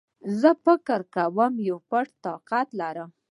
زه فکر کوم يو پټ طاقت لرم